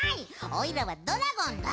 おいらはドラゴンだ！